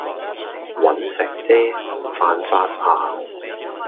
搵食啫，犯法呀